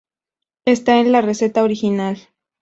Esta es la receta original.